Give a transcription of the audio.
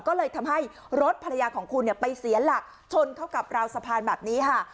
ก็เลยทำให้รถภรรยาของคุณเนี่ยไปเสียหลักชนเข้ากับราวสะพานแบบนี้ค่ะ